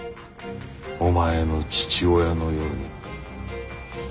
お前の父親のように。